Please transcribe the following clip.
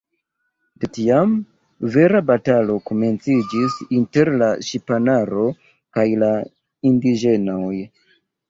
De tiam, vera batalo komenciĝis inter la ŝipanaro kaj la indiĝenoj.